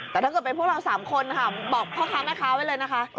แต่ถ้าเกิดเป็นพวกเรา๓คนค่ะบอกพ่อค้าแม่ค้าไว้เลยนะคะ